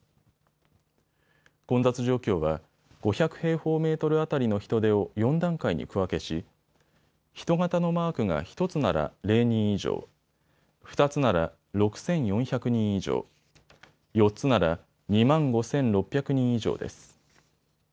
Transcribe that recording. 混雑状況は５００平方メートル当たりの人出を４段階に区分けし人型のマークが１つなら０人以上、２つなら６４００人以上、４つなら２万５６００人以上です。